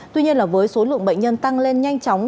tuy nhiên là với số lượng bệnh nhân tăng lên nhanh chóng